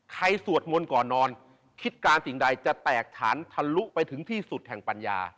สวดมนต์ก่อนนอนคิดการสิ่งใดจะแตกฐานทะลุไปถึงที่สุดแห่งปัญญา